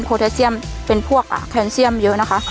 เอสเซียมเป็นพวกแคนเซียมเยอะนะคะ